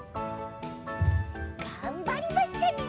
がんばりましたね。